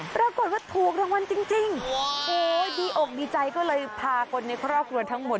ปรากฏว่าถูกรางวัลจริงโอ้โหดีอกดีใจก็เลยพาคนในครอบครัวทั้งหมด